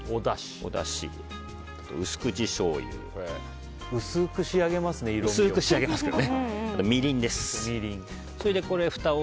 あと薄口しょうゆ。薄く仕上げますね、色味を。